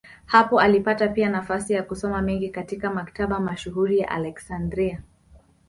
Hapa alipata pia nafasi ya kusoma mengi katika maktaba mashuhuri ya Aleksandria.